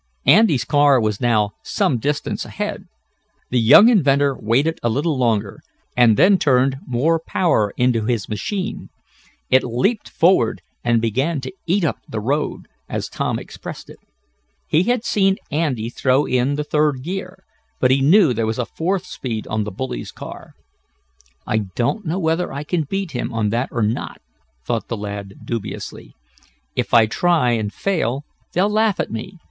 Andy's car was now some distance ahead. The young inventor waited a little longer, and then turned more power into his machine. It leaped forward and began to "eat up the road," as Tom expressed it. He had seen Andy throw in the third gear, but knew that there was a fourth speed on the bully's car. "I don't know whether I can beat him on that or not," thought the lad dubiously. "If I try, and fail, they'll laugh at me.